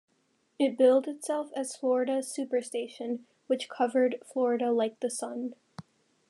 It billed itself as "Florida's Super Station", which "Covered Florida Like The Sun".